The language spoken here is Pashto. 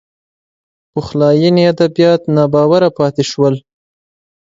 پخلاینې ادبیات ناباوره پاتې شول